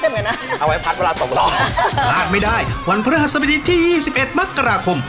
มากไม่ได้วันพระศัพท์ดีที่๒๑มักกราคม